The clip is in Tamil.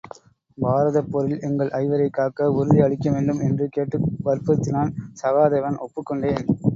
பாரதப்போரில் எங்கள் ஐவரைக் காக்க உறுதி அளிக்கவேண்டும் என்று கேட்டு வற்புறுத்தினான் சகா தேவன் ஒப்புக் கொண்டேன்.